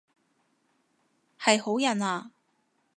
係好人啊？